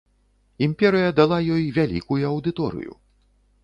Імперыя дала ёй вялікую аўдыторыю.